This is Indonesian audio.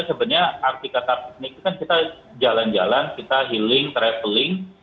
sebenarnya arti kata piknik itu kan kita jalan jalan kita healing traveling